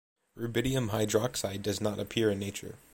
Rubidium hydroxide does not appear in nature.